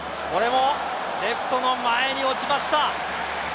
これもレフトの前に落ちました。